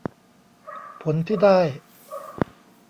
ผลที่ได้